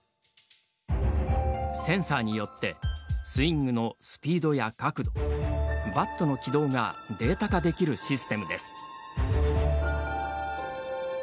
センサーによってスイングのスピードや角度バットの軌道がデータ化できるシステムです。